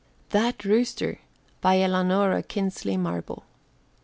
THAT ROOSTER. BY ELANORA KINSLEY MARBLE.